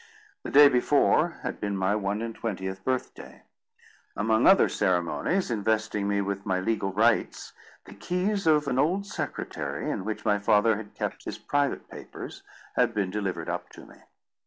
The day before had been my one and twentieth birthday. Among other ceremonies investing me with my legal rights, the keys of an old secretary, in which my father had kept his private papers, had been delivered up to me.